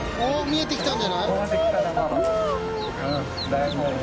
見えてきたんじゃない？